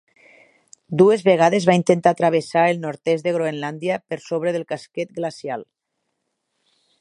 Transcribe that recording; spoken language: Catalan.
Dues vegades va intentar travessar el nord-est de Groenlàndia per sobre del casquet glacial.